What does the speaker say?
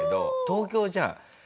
東京じゃん。